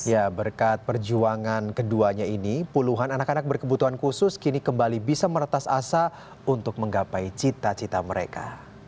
ya berkat perjuangan keduanya ini puluhan anak anak berkebutuhan khusus kini kembali bisa meretas asa untuk menggapai cita cita mereka